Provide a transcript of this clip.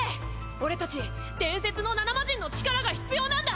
俺たち伝説の７マジンの力が必要なんだ！